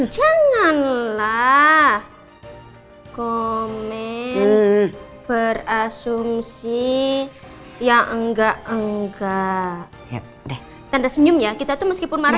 janganlah komen berasumsi yang enggak enggak deh tanda senyum ya kita tuh meskipun marah